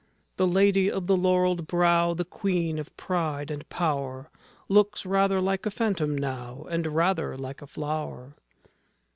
The Lady of the laurelled brow, The Queen of pride and power, Looks rather like a phantom now, And rather like a flower.